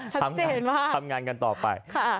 ชัดเจนมากค่ะทำงานกันต่อไป